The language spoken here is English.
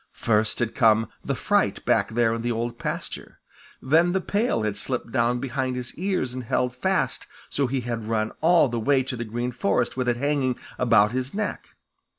First had come the fright back there in the Old Pasture. Then the pail had slipped down behind his ears and held fast, so he had run all the way to the Green Forest with it hanging about his neck.